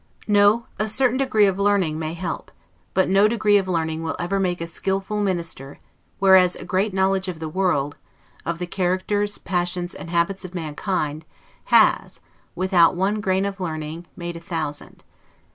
No; a certain degree of learning may help, but no degree of learning will ever make a skillful minister whereas a great knowledge of the world, of the characters, passions, and habits of mankind, has, without one grain of learning, made a thousand.